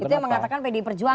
itu yang mengatakan pdi perjuangan